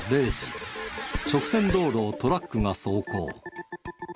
直線道路をトラックが走行。